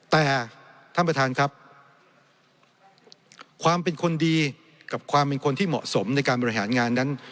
แต่ท่านประธานครับความเป็นคนดีกับความเป็นคนที่เหมาะสมในการบริหารงานนั้น